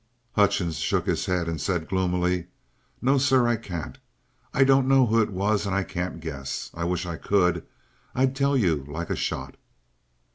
Hutchings shook his head and said gloomily: "No, sir, I can't. I don't know who it was and I can't guess. I wish I could. I'd tell you like a shot."